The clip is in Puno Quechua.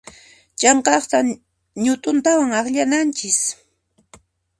Chhanqanta ñut'untawan akllananchis.